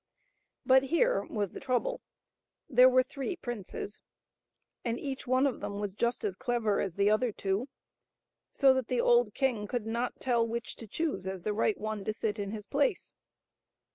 But here was the trouble: there were three princes, and each one of them was just as clever as the other two, so that the old king could not tell which to choose as the right one to sit in his place.